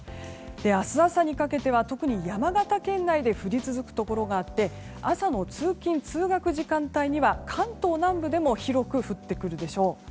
明日朝にかけては特に山形県内で降り続くところがあって朝の通勤・通学時間帯には関東南部でも広く降ってくるでしょう。